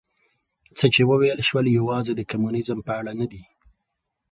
څه چې وویل شول یوازې د کمونیزم په اړه نه دي.